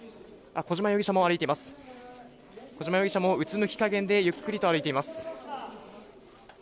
小島容疑者もうつむき加減でゆっくりと歩いています。